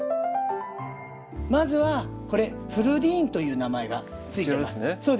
まずはこれフルディーンという名前が付いてます。